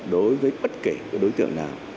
đối với bất kể đối tượng nào